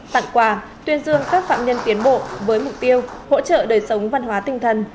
tặng quà tuyên dương các phạm nhân tiến bộ với mục tiêu hỗ trợ đời sống văn hóa tinh thần